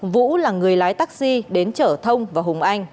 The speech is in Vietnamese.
vũ là người lái taxi đến chở thông và hùng anh